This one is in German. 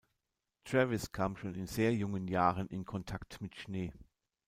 Travis kam schon in sehr jungen Jahren in Kontakt mit Schnee.